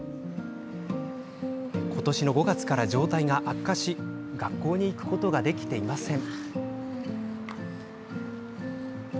今年５月から状態が悪化し学校に行くことができていません。